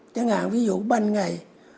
chẳng hạn ví dụ ban ngày